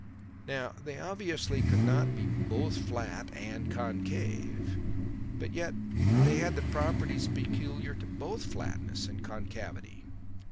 Now they obviously could not be both flat and concave; but yet they had the properties peculiar to both flatness and concavity.